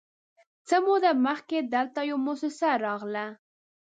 _څه موده مخکې دلته يوه موسسه راغله،